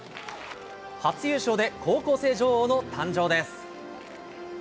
初優勝で、高校生女王の誕生です。